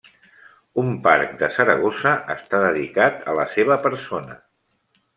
Un parc de Saragossa està dedicat a la seva persona.